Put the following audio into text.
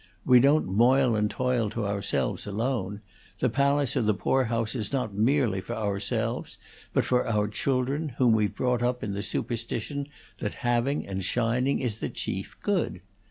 We don't moil and toil to ourselves alone; the palace or the poor house is not merely for ourselves, but for our children, whom we've brought up in the superstition that having and shining is the chief good.